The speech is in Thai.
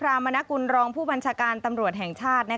อุปรารังสิพรามณกุลรองค์ผู้บัญชาการตำรวจแห่งชาติ